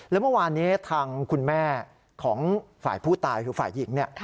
แล้วเมื่อวานนี้ทางคุณแม่ของฝ่ายผู้ตายคือฝ่ายหญิง